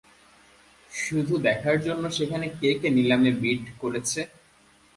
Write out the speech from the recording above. শুধু দেখার জন্য সেখানে কে কে নিলামে বিড করছে?